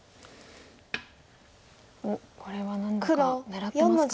これは何だか狙ってますか？